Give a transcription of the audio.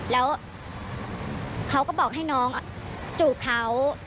แล้วเขาก็บอกให้น้องจูบเขา